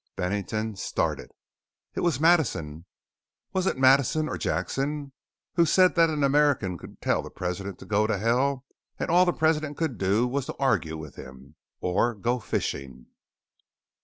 Bennington started. It was Madison Was it Madison or Jackson? who said that an American could tell the President to Go To Hell, and all the President could do was to argue with him or go fishing?